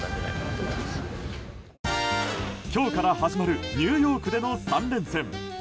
今日から始まるニューヨークでの３連戦。